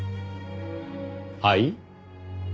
はい？